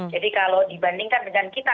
jadi kalau dibandingkan dengan kita